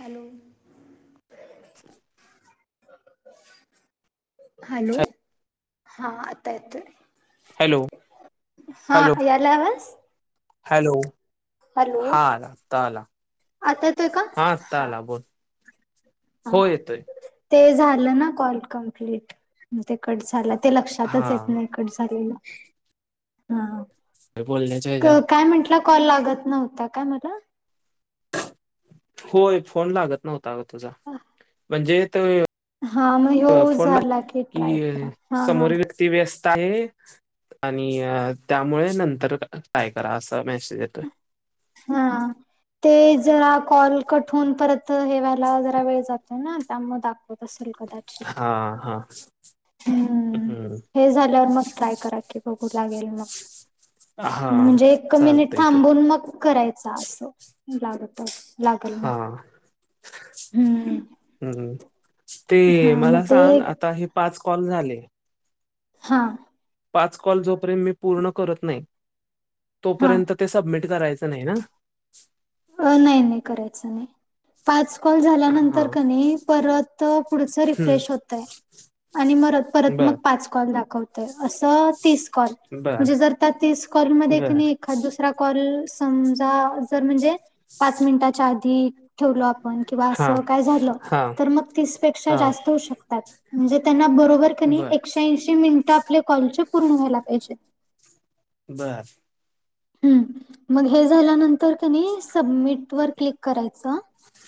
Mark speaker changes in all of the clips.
Speaker 1: Hello
Speaker 2: [inaudible]
Speaker 1: hello,
Speaker 2: हॅ
Speaker 1: हा आता येतोय.
Speaker 2: हॅलो
Speaker 1: हा
Speaker 2: हॅलो
Speaker 1: यायला आवाज
Speaker 2: हॅलो
Speaker 1: हॅलो
Speaker 2: हा आला आता आला
Speaker 1: आता येतोय का
Speaker 2: हा आता आला बोल
Speaker 1: हा
Speaker 2: हो येतोय.
Speaker 1: ते झालं ना कॉल कंप्लीट म ते कट झालं ते
Speaker 2: हा
Speaker 1: लक्षातच येत नाहीत. कट झालेला हा
Speaker 2: बोलण्याच्या
Speaker 1: कं
Speaker 2: ह्याच्यात
Speaker 1: काय म्हटलात कॉल लागत नव्हत्या काय मला?
Speaker 2: होय फोन लागत नव्हता अग तुझा. म्हणजे- त
Speaker 1: हा मग ह्यो
Speaker 2: -फोन
Speaker 1: झाला ट्राय करा
Speaker 2: -की-
Speaker 1: हा हा
Speaker 2: समोरील व्य ती व्यस्त आहे. आणि त्यामुळे नंतर ट्राय करा असा मेसेज येतोय.
Speaker 1: हा ते जरा कॉल कट होऊन परत त हे व्हायला जरा वेळ जातोय ना त्यामुळ दाख
Speaker 2: हा हा हम्म
Speaker 1: हे झाल्यावर मग ट्राय करा की बघू लागेल मग
Speaker 2: हा
Speaker 1: म्हणजे एक मिनिट
Speaker 2: चालतय की
Speaker 1: थांबून मग करायचा असं म लागत. लागल मग हम्म
Speaker 2: हूं हूं ते
Speaker 1: हा मग
Speaker 2: मला
Speaker 1: ते
Speaker 2: सांग आता हे पाच कॉल झाले.
Speaker 1: हां
Speaker 2: पाच कॉल जोपर्यंत मी पूर्ण करत नाही
Speaker 1: हा
Speaker 2: तोपर्यंत ते सबमिट करायचं नाही ना.
Speaker 1: अ नाय नाय करायचं नाय पाच कॉल
Speaker 2: हा
Speaker 1: झाल्यानंतर कनी परत पुढच
Speaker 2: हम्म
Speaker 1: रिफ्रेश होतंय. आणि मर परत मग
Speaker 2: बर
Speaker 1: पाच कॉल दाखवत तय अस तीस कॉल
Speaker 2: बर
Speaker 1: म्हणजे जर त्या तीस कॉल मध्ये की
Speaker 2: बर
Speaker 1: नाय एखाद दुस सरा कॉल समजा जर म्हणजे पाच मिनिटाच्या आधी ठेवलो आपण किंवा
Speaker 2: हा
Speaker 1: असं काय झालं
Speaker 2: हा
Speaker 1: तर मग तीसपेक्षा
Speaker 2: हा
Speaker 1: जास्त होऊ शकतात म्हणजे त्यांना बरोबर क नी
Speaker 2: बर
Speaker 1: एकशेऐंशी मिनं ट आपळे कॉल चे पूर्ण व्हायला पाहिजे.
Speaker 2: बरं
Speaker 1: हम्म मग हे झाल्यानंतर क नी सबमिट वर क्लिक करायचं.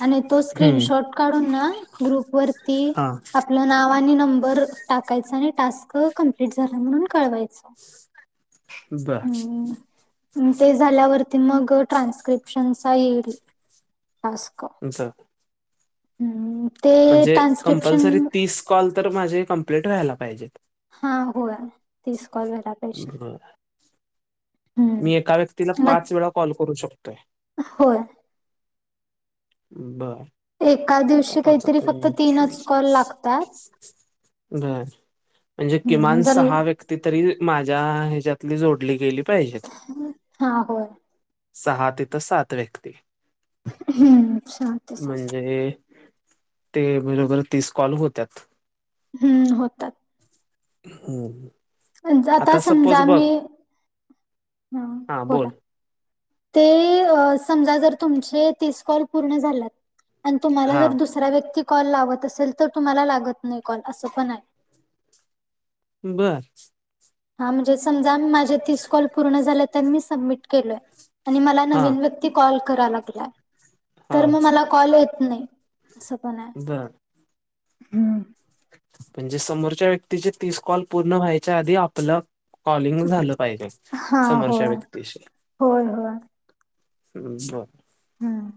Speaker 1: आणि तो
Speaker 2: हम्म
Speaker 1: स्क्रीनशॉट काढून ना ग्रुप वरती
Speaker 2: हा
Speaker 1: आपलं नाव आणि नंबर टाकायच आणि टास्क कंप्लिट झाल म्हणून कळवायच. [inaudible]
Speaker 2: बर.
Speaker 1: ते झाल्यावरती मग ट्रान्स्क्रिप्शनचा येईल टास्क
Speaker 2: [unintelligible]
Speaker 1: हम्म ते
Speaker 2: म्हणजे
Speaker 1: ट्रान्स्क्रिप्शन
Speaker 2: कंपल्सरी तीस कॉल तर माझे कंप्लीट व्हायला पाहिजेत.
Speaker 1: हां होय तीस कॉल व्हायला पायजेत
Speaker 2: बर
Speaker 1: हम्म.
Speaker 2: मी एका व्यक्तीला
Speaker 1: मग
Speaker 2: पाच वेळा कॉल करू शकतोय.
Speaker 1: होय.
Speaker 2: बरं
Speaker 1: एका दिवशी काहीतरी फक्त तीनच कॉल लागतात.
Speaker 2: बरं म्हणजे
Speaker 1: हम्म
Speaker 2: किमान
Speaker 1: जर
Speaker 2: सहा व्यक्ती व्यक्ती तरी माझ्या ह्याच्यातली जोडली गेली पाहिजेत.
Speaker 1: हा होय.
Speaker 2: सहा तिथं सात व्यक्ती
Speaker 1: हम्म सहा ते सात
Speaker 2: ते ते बरोबर तीस कॉल होत्यात.
Speaker 1: हम्म होतात.
Speaker 2: हम्म
Speaker 1: आता
Speaker 2: सपोज
Speaker 1: समजा
Speaker 2: बघ
Speaker 1: मी ह
Speaker 2: हा
Speaker 1: बोला
Speaker 2: बोल
Speaker 1: ते समजा जर तुमचे तीस कॉल पूर्ण झाल्यात आणि तुम्हाला
Speaker 2: हा
Speaker 1: जर दुसरे व्यक्ती कॉल लावत असेल तर तुम्हाला लागत नाही कॉल असं पण आहे.
Speaker 2: बरं
Speaker 1: हां म्हणजे समजा माझे तीस कॉल पूर्ण झाले तर मी सबमिट केलोय आणि मला
Speaker 2: हा
Speaker 1: नवीन व्यक्ती व्यक्ती कॉल करायलाे
Speaker 2: हा
Speaker 1: तर मग मला कॉल येत नाही असं पण आहे.
Speaker 2: बरं
Speaker 1: हम्म
Speaker 2: म्हणजे समोरच्या व्यक्तीचे तीस कॉल पूर्ण व्हायच्या आधी आपलं कॉलिंग झालं पाहिजे
Speaker 1: हा
Speaker 2: समोरच्या
Speaker 1: होय
Speaker 2: व्यक्तीशी.
Speaker 1: होय होय
Speaker 2: हम्म बरं
Speaker 1: हम्म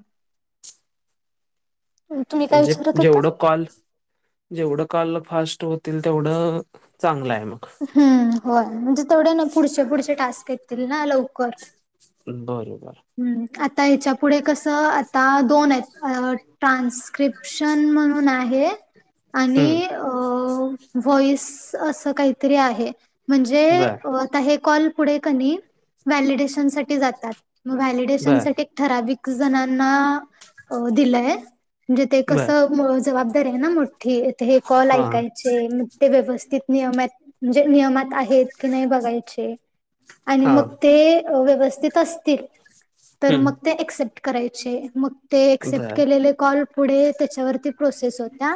Speaker 1: तुम्ही काय
Speaker 2: म्हणजे
Speaker 1: विचारत होता
Speaker 2: जेवढं कॉल जेवढं काल फास्ट होतील तेवढं चांगलं आहे मग.
Speaker 1: हम्म होय म्हणजे तेवढ्या ना पुढचे पुढचे टास्क येतील ना लवकर
Speaker 2: बरोबर
Speaker 1: हम्म आता ह्याच्या पुुढे कसं? आता दोन आहेत ट्रान्स्क्रिप्शन म्हणून आहे आणि
Speaker 2: [inaudible]
Speaker 1: व्हॉईस असं काहीतरी आहे
Speaker 2: बर
Speaker 1: म्हणजे कॉल पुढे का नाही व्हॅलीडेशन साठी जातात मग व्हॅलीडेशन
Speaker 2: बर
Speaker 1: साठी ठराविक जणांना दिलंय म्हणजे ते
Speaker 2: बर
Speaker 1: कसं जबाबदारी आहे ना मोठी हे कॉल
Speaker 2: हा
Speaker 1: ऐकायच चे मग ते व्यवस्थित नियमात म्हणजे नियमात आ की नाही बघायचे आणि
Speaker 2: हा
Speaker 1: मग ते व्यवस्थित असतील तर मग
Speaker 2: हम्म
Speaker 1: ते ॲक्सेप्ट करायचे मग ते ॲक्सेप्ट
Speaker 2: बर
Speaker 1: केलेले कॉल पुढे त्याच्यावरती प्रोसेस होत्या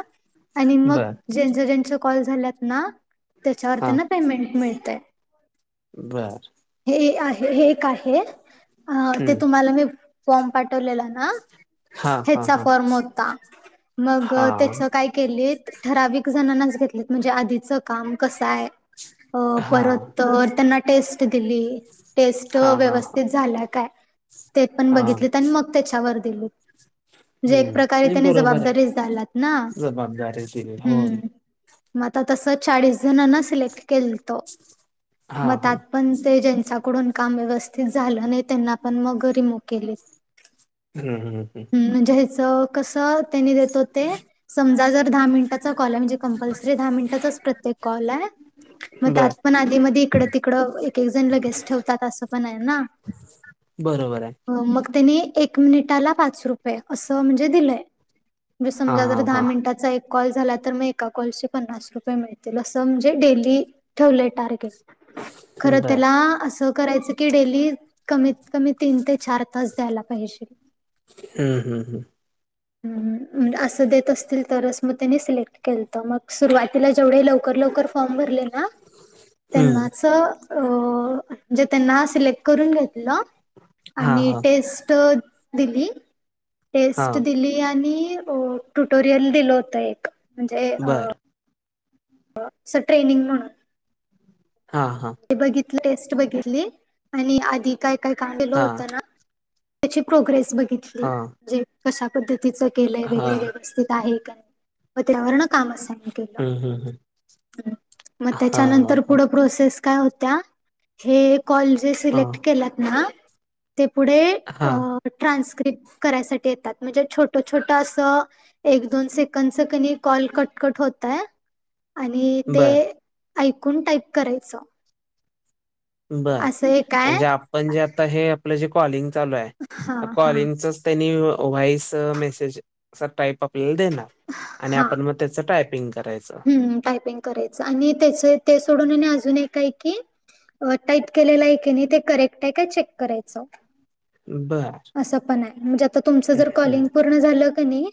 Speaker 1: आणि मग
Speaker 2: बर
Speaker 1: ज्याचे ज्याचे कॉल झाल्यात ना त्याच्यावर
Speaker 2: हा
Speaker 1: त्यांना पेमेंट मिळतय
Speaker 2: बर
Speaker 1: हे आहे हे एक आहे. हां ते
Speaker 2: हम्म
Speaker 1: तुम्हाला मी फॉर्म पाठवलेला ना.
Speaker 2: हा हा
Speaker 1: ह्याचा
Speaker 2: हा
Speaker 1: फॉर्म होता मग
Speaker 2: हा
Speaker 1: त्याचा काही ठराविक जणांनाचं घेतले म्हणजे आधीचं काम कसं आहे अ
Speaker 2: हा
Speaker 1: परत त्यांना टेस्ट दिली टेस्ट
Speaker 2: हा हा हा
Speaker 1: व्यवस्थित झाल्या. काय ते पण
Speaker 2: हा
Speaker 1: बघितले आणि मग त्याच्यावर दिलीत. म्हणजे एक
Speaker 2: हम्म
Speaker 1: प्रकारे
Speaker 2: नाही
Speaker 1: त्यानी
Speaker 2: बरोबर आहे की.
Speaker 1: जबाबदारीच द्यायल्यांत ना
Speaker 2: जबाबदारी दिली होय
Speaker 1: हम्म आता तस चाळीस जणांना सिलेक्ट केलत.
Speaker 2: हा
Speaker 1: मग
Speaker 2: हा
Speaker 1: पण ते ज्यांच्याकडून काम व्यवस्थित झालं नाही त्यांना पण मग रिमुव्ह केले.
Speaker 2: हम् हम हम्.
Speaker 1: म्हणजे ह्याच कसं, त्यांनी देतो ते समजा, जर दहा मिनिटाचा कॉल आहे म्हणजे कंपल्सरी दहा मिनिटाचाच प्रत्येक कॉल आहे. मग
Speaker 2: हम्म
Speaker 1: त्यात
Speaker 2: बर
Speaker 1: पण आधी- मधी, इकडं - तिकडं एकेक जण लगेच ठेवतात. असं पण आहे ना.
Speaker 2: बरोबर आहे.
Speaker 1: मग त्यांनी एक मिनिटाला पाच रुपये अस म्हणजे दिलय, म्हणजे
Speaker 2: हा
Speaker 1: समजा जर
Speaker 2: हा
Speaker 1: दहा
Speaker 2: हा
Speaker 1: मिनिटाचा एक कॉल कॉल झाला तर मग एका कॉल पन्नास रुपये मिळतील असं म्हणजे डेली ठेवलंय टार्गेट. खरं
Speaker 2: बर
Speaker 1: त्याला असं करायचं की डेली कमीत कमी तीन ते चार तास द्यायला पाहिजेत.
Speaker 2: हम् हम् हम्.
Speaker 1: [inaudible] असं देत असतील तरच मग त्यानी सिलेक्ट केल तर मग सुरुवातीला जेवढे लवकर लवकर फॉर्म भरले ना
Speaker 2: हम्म
Speaker 1: त्यांनाच म्हणजे त्यांना सिलेक्ट करून घेतल
Speaker 2: हा
Speaker 1: आणि
Speaker 2: हा
Speaker 1: टेस्ट दिली.
Speaker 2: हा
Speaker 1: टेस्ट दिली. टुटोरियल दिल होत एक. म्हणजे अ
Speaker 2: बर
Speaker 1: अ ट्रेनिंग म्हणून.
Speaker 2: हां हां.
Speaker 1: बघितलं. टेस्ट बघितली आणि आधी काय काय काम केलं
Speaker 2: हा
Speaker 1: होत ना. त्याची प्रोग्रेस बघितलीे.
Speaker 2: हा
Speaker 1: कशा पद्धतीचं केलंय
Speaker 2: हा
Speaker 1: वगैरे व्यवस्थित आहे काय व त्यावरण काम असाइन केलं.
Speaker 2: ह हं ह.
Speaker 1: मग त्याच्यानंतर पुढ प्रोसेस काय होत्या. हे कॉल ते
Speaker 2: हा
Speaker 1: सिलेक्ट केल्यात ना ते पुढे
Speaker 2: हा
Speaker 1: अं ट्रान्स्क्रिप करायसाठी येतात म्हणजे छोटं छोटं असं. एक दोन सेकंद चा कणी कॉल कटकट होतय. आणि ते
Speaker 2: बर
Speaker 1: ऐकून टाईप करायचं.
Speaker 2: बरं,
Speaker 1: असं एक काय
Speaker 2: म्हणजे आपण जे आता हे आपलं जे कॉलिंग चालू आहे
Speaker 1: हा
Speaker 2: त्या
Speaker 1: हा
Speaker 2: कॉलिंगच त्यांनी व्हॉईस मेसेज चा टास्क आपल्याला देणार. आणि
Speaker 1: हा
Speaker 2: आपल्याला मग त्याच टायपिंग करायचं.
Speaker 1: टायपिंग करायचं आणि त्याच ते सोडून आणि अजून एकय की. टाईप केलेला आहेी नाही ते करेक्ट आहे काय चेक करायचं.
Speaker 2: बर.
Speaker 1: असं पण आ. हे म्हणजे आता तुमचं जर कॉलिंग पूर्ण झालं का नाही.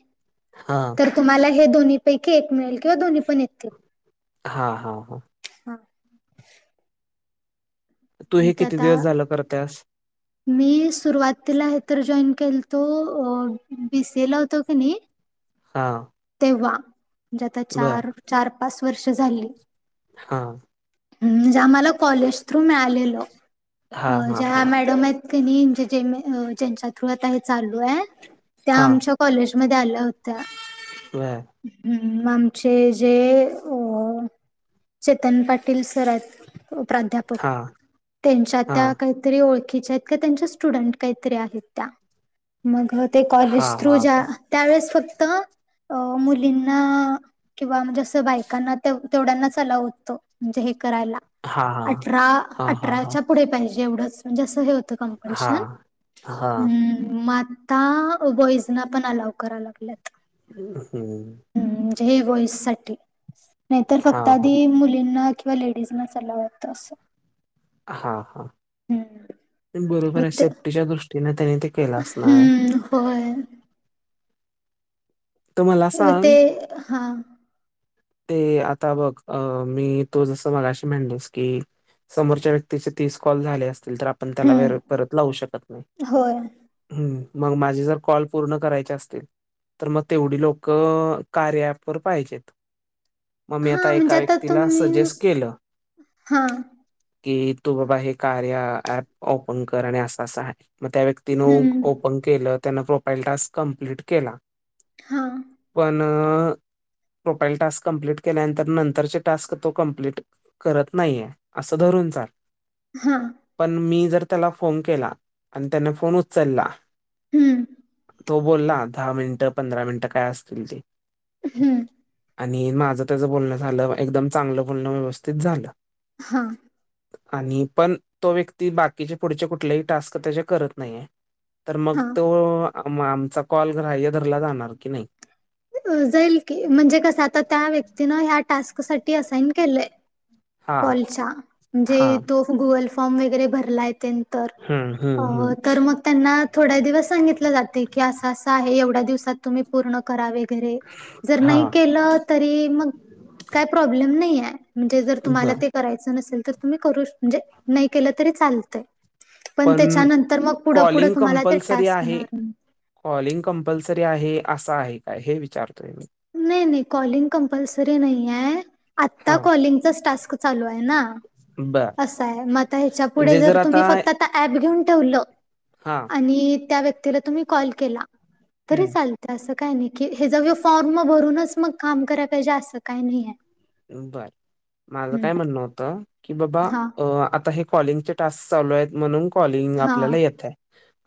Speaker 2: हां हां.
Speaker 1: तर तुम्हाला हे दोन्ही पैकी एक मिळेल किंवा दोन्ही पण येतील.
Speaker 2: हां हां हां.
Speaker 1: हा
Speaker 2: तू
Speaker 1: हम्म,
Speaker 2: हे
Speaker 1: ते
Speaker 2: किती
Speaker 1: आता
Speaker 2: दिवस झालं करत्यास?
Speaker 1: मी सुरुवातीला हे तर जॉईन केलतो. अं बी सी ए ला होतो कणी
Speaker 2: हा.
Speaker 1: तेव्हा. म्हणजे आता चार चार- पाच वर्ष झाली.
Speaker 2: हा.
Speaker 1: ज मला कॉलेज थ्रू मिळालेल
Speaker 2: हां, हां,
Speaker 1: ज्या
Speaker 2: हां.
Speaker 1: मॅडम. त्यांनी... म्हणजे जेनी.. अ... ज्यांच्या थ्रू आता हे चालू ए... त्या आमच्या कॉलेजमध्ये आल्या होत्या.
Speaker 2: व्हय.
Speaker 1: हुं... आमचे जे... अं चेतन पाटील सर आहेत प्राध्यापक...
Speaker 2: हां,
Speaker 1: त्यांच्या त्या
Speaker 2: हां.
Speaker 1: काही तरी ओळखीच्या आहेत का.. त्यांच्या स्टुडंट... काहीतरी आहेत त्या. मग होते कॉलेज
Speaker 2: हां,
Speaker 1: थ्रू
Speaker 2: हां.
Speaker 1: ज्या... त्यावेळेस फक्त... अ... मुलींना किंवा म्हणजे असं बायकांना तेव्ह... तेवढ्यांनाच अलाऊ होतं... म्हणजे हे करायला.
Speaker 2: हां, हां.
Speaker 1: अठरा...
Speaker 2: हां, हां, हां.
Speaker 1: अठराच्या पुढे पाहिजे एवढंच... म्हणजे असं हे होतं होतं कंपलशन...
Speaker 2: हां. हां.
Speaker 1: मग आता आता... बॉईजना पण अलाव कराय लागल्यात.
Speaker 2: हम्म.
Speaker 1: हुं.... म्हणजे हे बॉईजसाठी... नाहीतर फक्त
Speaker 2: हां, हां.
Speaker 1: आधी मुलींना किंवा लेडीजनाच अलाऊड होतं असं.
Speaker 2: हा हा...
Speaker 1: हम्म,
Speaker 2: बरोबर ए...
Speaker 1: ते
Speaker 2: सेफ्टीच्या दृष्टीने त्यानी ते केलं असणार आहे.
Speaker 1: हम्म... होय.
Speaker 2: तर मला
Speaker 1: ते...
Speaker 2: सांग
Speaker 1: हा.
Speaker 2: ते आता बघ... अं.... मी... तू... जसं मगाशी म्हणलीस की समोरच्या व्यक्तीचे तीस कॉल झाले असतील तर आपण त्याला.... व...
Speaker 1: हम्म,
Speaker 2: परत लावू शकत नाई.
Speaker 1: होय.
Speaker 2: हम्म.... मग माझे जर कॉल पूर्ण करायचे असतील तर मग तेवढी लोकं कार्या ऍपवर पाहिजेत. मग मी आता
Speaker 1: हा
Speaker 2: एका
Speaker 1: म्हणजे
Speaker 2: व्यक्तीला
Speaker 1: तुम्ही
Speaker 2: सजेस्ट केलं
Speaker 1: हा
Speaker 2: कि तू बाबा हे कार्या ऍप ओपन कर आणि असं असं आहे, मग त्या व्यक्ती तिनं... ओ...
Speaker 1: हम्म,
Speaker 2: ओपन केलं... त्यानं प्रोफाईल टास्क कंप्लीट केला.
Speaker 1: हा.
Speaker 2: पण प्रोफाईल टास्क कंप्लीट केल्यानंतर... नंतरचे टास्क तो कंप्लीट करत नाहीये.... असं धरून चाल.
Speaker 1: हा.
Speaker 2: पण मी जर त्याला फोन केला आणि त्याने फोन उचलला
Speaker 1: हम्म.
Speaker 2: तो बोलला दहा मिनिटं... पंधरा मिनिटं काय असतील ते
Speaker 1: हम्म.
Speaker 2: आणि माझं त्याचं बोलणं झालं... एकदम चांगलं बोलणं व्यवस्थित झालं
Speaker 1: हा.
Speaker 2: आणि पण.... तो व्यक्ती बाकीचे पुढचे कुठलेही टास्क... त्याचे करत नाहीये तर मग
Speaker 1: हा.
Speaker 2: तो... मग... आमचा कॉल ग्राह्य धरला जाणार की नाही?
Speaker 1: अं... जाईल की... म्हणजे कसं... आता त्या व्यक्तीनं ह्या टास्कसाठी असाईन केलंय
Speaker 2: हा
Speaker 1: कॉलच्या...
Speaker 2: हा
Speaker 1: म्हणजे तो गुगल फॉर्म वगैरे भरलाय तेन तर...
Speaker 2: हम्म हम्म हम्म
Speaker 1: तर मग त्यांना थोड्या दिवस सांगितलं जातय, की असं असं आहे एवढ्या दिवसात तुम्ही पूर्ण करावे. वगैरे... जर
Speaker 2: हा
Speaker 1: नाई केलं.... तरी मग... काय प्रॉब्लेम नाई ए. म्हणजे जर तुम्हाला
Speaker 2: बर
Speaker 1: ते करायचं नसेल तर तुम्ही करू.... म्हणजे नाई केलं तरी चालतय. पण त्याच्यानंतर मग पुढं पुढं
Speaker 2: कॉलिंग
Speaker 1: तुम्हाला ते
Speaker 2: कंपल्सरी
Speaker 1: टास्क
Speaker 2: आहे
Speaker 1: देणार नाई.
Speaker 2: कॉलिंग कंपल्सरी आहे... असं आहे काय.... हे विचारतोय मी.
Speaker 1: नाही नाही कॉलिंग कंपल्सरी नाही आहे, आता
Speaker 2: हा
Speaker 1: कॉलिंगचाच टास्क चालू आहे ना.
Speaker 2: बर
Speaker 1: असं आहे म आता ह्याच्या पुुढे जर तुम्ही फक्त आता ऍप घेऊन ठेवलं
Speaker 2: हा.
Speaker 1: आणि त्या व्यक्तीला तुम्ही कॉल केला, तरी
Speaker 2: हम्म
Speaker 1: चाल तर असं काय नाही की हेज फॉर्म भरूनच मग काम कराय पाहिजे असं काय नाहीये.
Speaker 2: बर, माझं काय म्हण होतं, की बाबा,
Speaker 1: हा
Speaker 2: अ आता हे कॉलिंगचे टास्कस चालू आहेत म्हणून कॉलिंग
Speaker 1: हा
Speaker 2: आपल्याला येतय,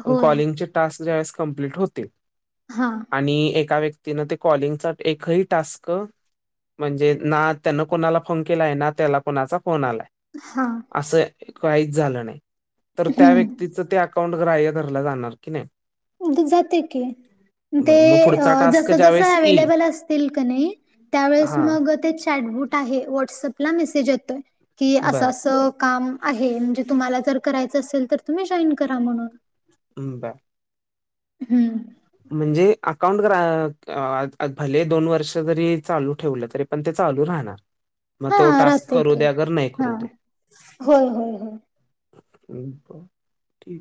Speaker 2: पण
Speaker 1: होय
Speaker 2: कॉल्लिंगचे टास्क ज्यावेळेस कंमप्लीट होतील.
Speaker 1: हा.
Speaker 2: आणि एका व्यक्तीन ते कॉलिंगचा एकही टास्क, म्हणजे ना तेन कुणाला फोन केलाय ना त्याला कुणाचा फोन आलाय.
Speaker 1: हा.
Speaker 2: असं काहीच झालं नाही, तर त्या
Speaker 1: हम्म
Speaker 2: व्यक्तीचं ते अकाउंट ग्राह्य धरलं जाणार की नाही?
Speaker 1: जातय की, ते
Speaker 2: बरं मग पुढचा टास्क
Speaker 1: जस जसं
Speaker 2: ज्यावेेळेस येईल
Speaker 1: अवेलेबल असतील कनी त्यावेळेस
Speaker 2: हां
Speaker 1: मग ते चॅटबुट आहे वॉटसअपला मेसेज येतोय, की असं
Speaker 2: बर
Speaker 1: अस काम आहे म्हणजे तुम्हाला जर करायचं असेल तर तुम्ही जॉईन करा म्हणून.
Speaker 2: हम्म बर.
Speaker 1: हम्म.
Speaker 2: म्हणजे अकाउंट ग्रा अ- भले दोन वर्ष जरी चालू ठेवलं तरी पण ते चालू राहानार. म
Speaker 1: हा
Speaker 2: तो टास्क
Speaker 1: राहते
Speaker 2: करू
Speaker 1: की
Speaker 2: दे अगर नाही
Speaker 1: हा
Speaker 2: करू दे.
Speaker 1: होय होय होय
Speaker 2: ब, ठी,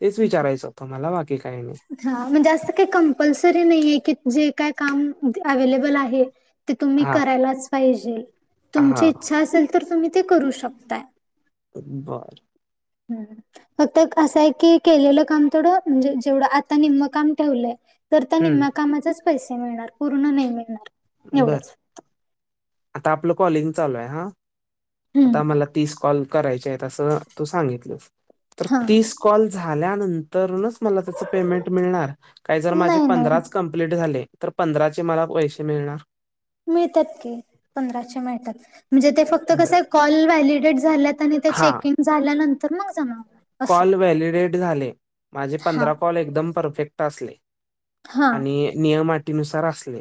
Speaker 2: तेच विचारायचं होत मला बाकी काय नाही.
Speaker 1: हा म्हणजे असं काही कंपल्सरी नाहीये की जे काय काम अव्लेबल आहे. ते तुम्ही
Speaker 2: हा
Speaker 1: करायलाच पाहिजे, तुमची
Speaker 2: हा
Speaker 1: इच्छा असेल तर तुम्ही ते करू शकताय.
Speaker 2: बर.
Speaker 1: [unintelligible] फक्त कस आहे की केलेलं काम थोडं म्हणजे तेवढं आता निम्म काम ठेवलंय, तर त्या निम्म
Speaker 2: हम्म
Speaker 1: कामाचेच पैसे मिळणार पूर्ण नाही मिळणार.
Speaker 2: बर,
Speaker 1: एवढंच.
Speaker 2: आता आपलं कॉलिंग चालू आहे हा, आता
Speaker 1: हम्म.
Speaker 2: आम्हाला तीस कॉल करायचे आहेत असं तू सांगितलस, तर
Speaker 1: हा
Speaker 2: तीस कॉल झाल्यानंतरनच मला त्याच पेमेंट मिळणार, काय जर माझे
Speaker 1: नाही नाही
Speaker 2: पंधराच कम्प्लीट झाले, तर पंधराचे मला पैशे मिळणार.
Speaker 1: मिळतात की, पंधराचे मिळतात, म्हणजे ते फक्त कस
Speaker 2: बर
Speaker 1: कॉल व्हॅलिडेट झाल्यात आणि ते
Speaker 2: हा
Speaker 1: चेकिंग झाल्यानंतर मग जमा असं
Speaker 2: कॉल व्हॅलिडेट झाले, माझे
Speaker 1: हा
Speaker 2: पंधरा कॉल एकदम परफेक्ट असले.
Speaker 1: हा
Speaker 2: आणि नियम अटीनुसार असले,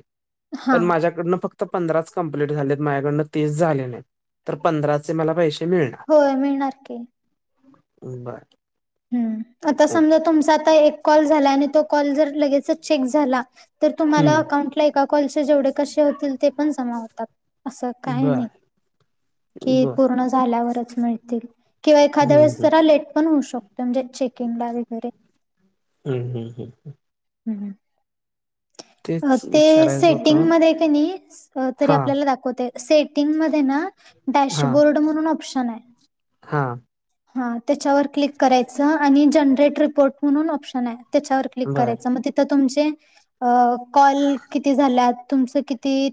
Speaker 2: पण
Speaker 1: हा.
Speaker 2: माझ्याकडनं फक्त त पंधराच कंप्लीट झालेत माझ्याकडनं तीस झाले नाही, तर पंधराचे मला पैसे मिळणार.
Speaker 1: होय मिळणार की.
Speaker 2: बर.
Speaker 1: हम्म, आता समजा
Speaker 2: ओके
Speaker 1: तुमचा आता एक कॉल झालाय आणि तो कॉल जर लगेचच चेक झाला. तर तुम्हाला
Speaker 2: हम्म
Speaker 1: अकाउंटला एका कॉलचे जेवढे कसे होतील ते पण जमा होतात. असं काय
Speaker 2: बर
Speaker 1: नाही, कि
Speaker 2: बर
Speaker 1: पूर्णच झाल्यावरच मिळतील, किंवा एखाद्या
Speaker 2: हम्म
Speaker 1: वेळेस
Speaker 2: हम्म
Speaker 1: जरा लेट पण होऊ शक चेकिंग ला वैगरे,
Speaker 2: हम्म हम्म हम्म
Speaker 1: हम. अ
Speaker 2: तेच
Speaker 1: ते
Speaker 2: विचारायचं
Speaker 1: सेटिंग
Speaker 2: होतं
Speaker 1: मधे कानी, तरी
Speaker 2: हा
Speaker 1: आपल्याला रा. सेटींग मध्ये
Speaker 2: हा
Speaker 1: डॅशबोर्ड म्हणून ऑप्शन हाय.
Speaker 2: हा
Speaker 1: हा त्याच्यावर क्लिक करायचं आणि जनरेट रिपोर्ट म्हणून ऑप्शन आहे. त्याच्यावर क्लिक
Speaker 2: बर
Speaker 1: करायच मग तिथं तुमचे कॉल किती झा तुमच किती